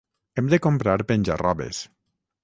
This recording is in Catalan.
Hem de comprar penja-robes.